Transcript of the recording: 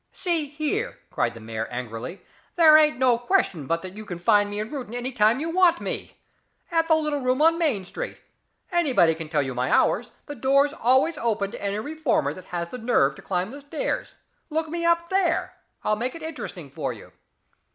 "See here," cried the mayor angrily, "there ain't no question but that you can find me in Reuton any time you want me. At the little room on Main Street anybody can tell you my hours the door's always open to any reformer that has the nerve to climb the stairs. Look me up there. I'll make it interesting for you."